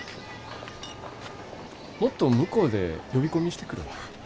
もっと向こうで呼び込みしてくるわ。